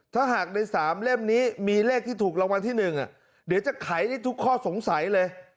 ถ้าหากใน๓เล่มนี้มีเลขที่ถูกรางวัลที่๑เดี๋ยวจะไขได้ทุกข้อสงสัยเลย